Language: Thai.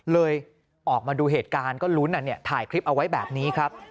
เลยออกมาดูเหตุการณ์ก็ลุ้นถ่ายคลิปเอาไว้แบบนี้ครับ